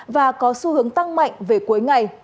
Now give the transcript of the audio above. và có xu hướng tăng mạnh về cuối ngày